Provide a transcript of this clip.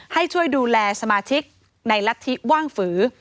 ให้ช่วยดูแลสมาชิกในรัฐธิว่างฝือ